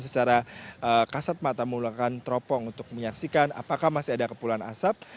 secara kasat mata mengulangkan tropong untuk menyaksikan apakah masih ada kepulauan asap